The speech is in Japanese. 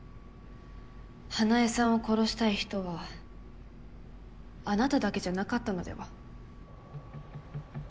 花恵さんを殺したい人はあなただけじゃなかったのでは？